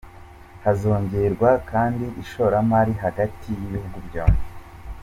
Hazongerwa kandi ishoramari hagati y’ibihugu byombi.